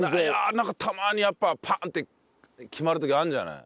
なんかたまにやっぱパンッて決まる時あるんじゃない？